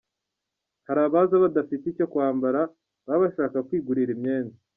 Hari abaza badafite icyo kwambara baba bashaka kwigurira imyenda.